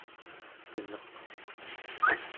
keneq¹